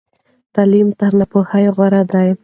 تعلیم تر ناپوهۍ غوره دی.